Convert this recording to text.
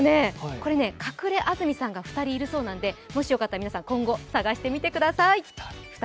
これ隠れ安住さんが２人いるそうでもしよかったら皆さん今後探してみてください。